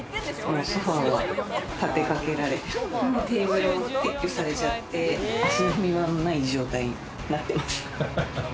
ソファーは立てかけられ、テーブルも撤去されちゃって、足の踏み場もない状態になってます。